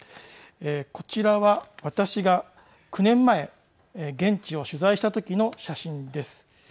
こちらは、私が９年前現地を取材したときの写真です。